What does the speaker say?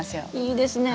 いいですね。